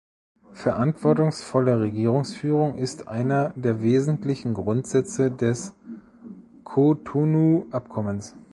Verantwortungsvolle Regierungsführung ist einer der wesentlichen Grundsätze des Cotonou-Abkommens.